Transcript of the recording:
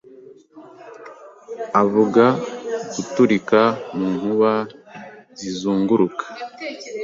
avuga guturika mu nkuba Zizunguruka